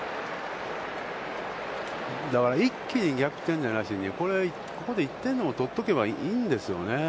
だから一気に逆転じゃなしに、ここで１点でも取っておけばいいんですよね。